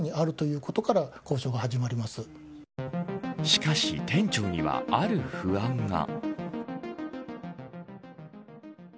しかし、店長にはある不安が。